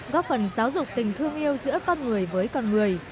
góp phần giáo dục tình thương yêu giữa con người với con người